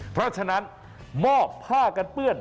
เพราะฉะนั้นมอบผ้ากันเปื้อน